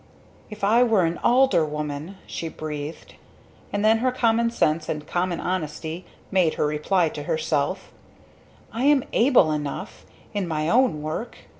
"If I were an abler woman!" she breathed. And then her common sense and common honesty made her reply to herself: "I am able enough in my own work!